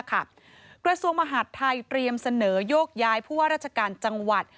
กระทรวงมหาดไทยเตรียมเสนอโยกย้ายผู้ว่าราชการจังหวัด